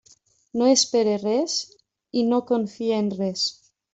No espere res i no confie en res.